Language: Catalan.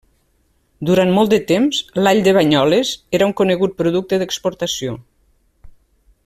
Durant molt de temps, l'all de Banyoles era un conegut producte d'exportació.